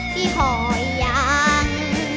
พี่พ่อยัง